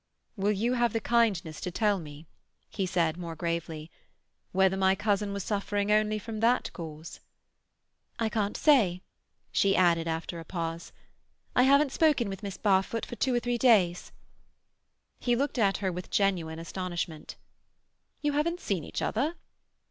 "Will you have the kindness to tell me," he said more gravely, "whether my cousin was suffering only from that cause?" "I can't say," she added after a pause. "I haven't spoken with Miss Barfoot for two or three days." He looked at her with genuine astonishment. "You haven't seen each other?"